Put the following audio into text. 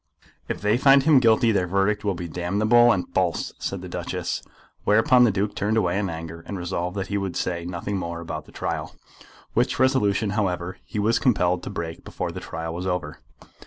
"If they find him guilty, their verdict will be damnable and false," said the Duchess. Whereupon the Duke turned away in anger, and resolved that he would say nothing more about the trial, which resolution, however, he was compelled to break before the trial was over.